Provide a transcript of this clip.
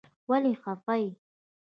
ولې خفه يې.